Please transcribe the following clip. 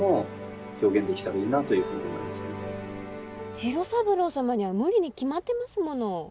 次郎三郎様には無理に決まってますもの。